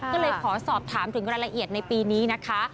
ก็เลยขอสอบถามถึงรายละเอียดในปีนี้นะคะ